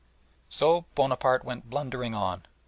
So Bonaparte went blundering on.